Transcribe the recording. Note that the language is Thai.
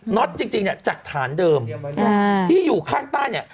็อตจริงเนี่ยจากฐานเดิมที่อยู่ข้างใต้เนี่ย